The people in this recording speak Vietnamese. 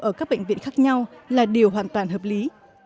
ở các bệnh viện khác nhau là điều hoàn toàn hợp lý